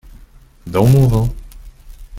Dans mon vin.